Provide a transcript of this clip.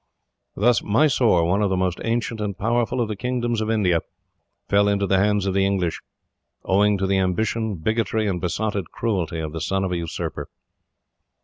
Thus Mysore, one of the most ancient and powerful of the kingdoms of India, fell into the hands of the English, owing to the ambition, bigotry, and besotted cruelty of the son of a usurper.